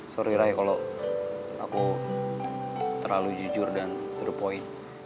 sorry raya kalau aku terlalu jujur dan terlalu